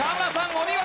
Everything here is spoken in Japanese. お見事！